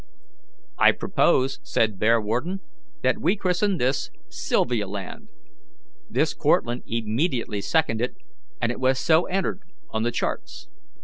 "I propose," said Bearwarden, "that we christen this Sylvialand." This Cortlandt immediately seconded, and it was so entered on the charts.